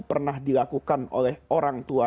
pernah dilakukan oleh orang tua